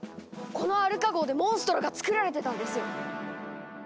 このアルカ号でモンストロがつくられてたんですよ。